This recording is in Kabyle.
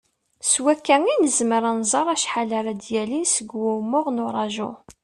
S wakka i nezmer ad nẓer acḥal ara d-yalin seg wumuɣ n uraju.